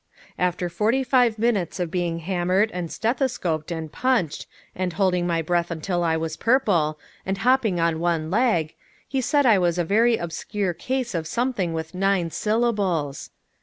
After forty five minutes of being hammered, and stethoscoped, and punched, and holding my breath till I was purple, and hopping on one leg, he said I was a very obscure case of something with nine syllables!